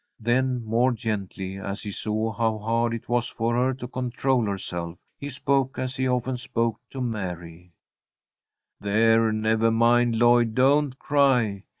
Then more gently, as he saw how hard it was for her to control herself, he spoke as he often spoke to Mary: "There, never mind, Lloyd. Don't cry.